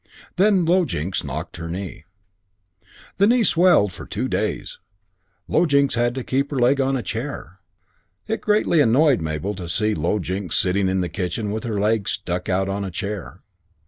Then Low Jinks knocked her knee. The knee swelled and for two days Low Jinks had to keep her leg on a chair. It greatly annoyed Mabel to see Low Jinks sitting in the kitchen with her leg "stuck out on a chair."